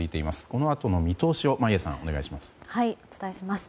このあとの見通しを眞家さん、お願いします。